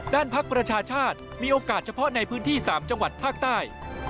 ภักดิ์ประชาชาติมีโอกาสเฉพาะในพื้นที่๓จังหวัดภาคใต้